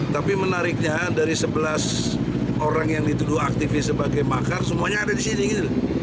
tapi menariknya dari sebelas orang yang dituduh aktifis sebagai makar semuanya ada di sini